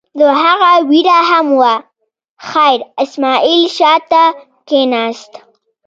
د هغه وېره هم وه، خیر اسماعیل شا ته کېناست.